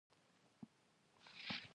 دوی ښځې د بالذات غایې په توګه نه ګڼي.